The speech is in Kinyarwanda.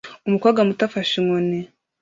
Umukobwa muto afashe inkoni